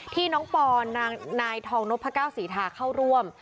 ที่น้องปอนนายทองนพก้าวศรีทาเข้าร่วม